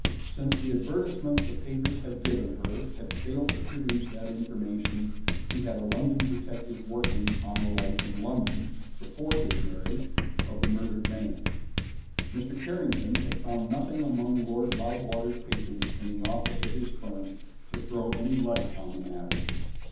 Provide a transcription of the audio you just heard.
Since the advertisement the papers had given her had failed to produce that information he had a London detective working on the life in London, before his marriage, of the murdered man. Mr. Carrington had found nothing among Lord Loudwater's papers in the office of his firm to throw any light on the matter.